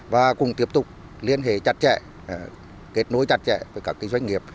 và cùng tiếp tục liên hệ chặt chẽ kết nối chặt chẽ với các doanh nghiệp